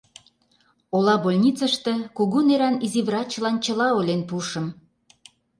Ола больницыште кугу неран изи врачлан чыла ойлен пуышым.